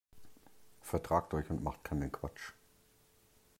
Vertragt euch und macht keinen Quatsch.